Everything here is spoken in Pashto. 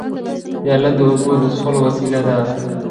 پیاله د اوبو د څښلو وسیله ده.